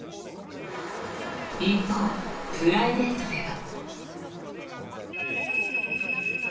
一方、プライベートでは。